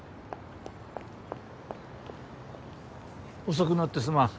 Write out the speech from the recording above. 遅くなってすまん。